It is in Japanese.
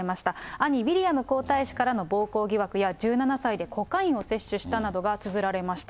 兄、ウィリアム皇太子からの暴行疑惑や、１７歳でコカインを摂取したなどがつづられました。